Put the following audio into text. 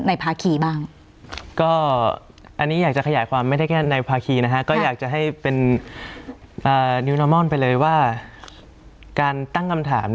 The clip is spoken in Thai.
ในพาขี่บ้าง